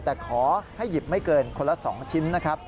แต่ขอให้หยิบไม่เกินคนละ๒ชิ้นนะครับ